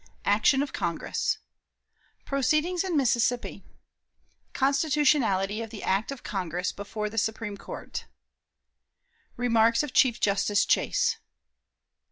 Action of Congress. Proceedings in Mississippi. Constitutionality of the Act of Congress before the Supreme Court. Remarks of Chief Justice Chase.